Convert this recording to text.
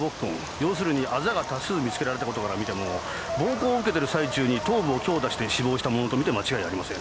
要するにアザが多数見つけられた事から見ても暴行を受けてる最中に頭部を強打して死亡したものとみて間違いありません。